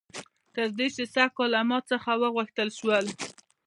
تر دې چې سږ کال له ما څخه وغوښتل شول